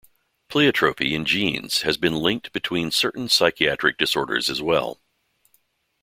Pleiotropy in genes has been linked between certain psychiatric disorders as well.